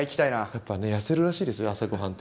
やっぱ痩せるらしいですよ朝ごはんって。